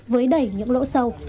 với đầy những lỗ sâu